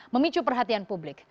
memicu perhatian publik